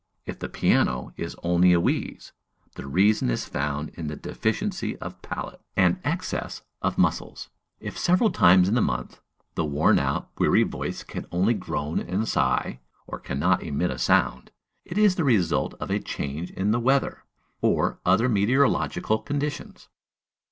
If the piano is only a wheeze, the reason is found in the deficiency of palate, and excess of muscles! If several times in the month, the worn out, weary voice can only groan and sigh, or cannot emit a sound, it is the result of a change in the weather, or other meteorological conditions!